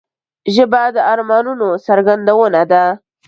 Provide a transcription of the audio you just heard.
ژبه د ارمانونو څرګندونه ده